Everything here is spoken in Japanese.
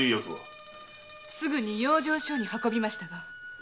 すぐに養生所に運びましたが。